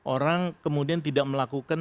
orang kemudian tidak melakukan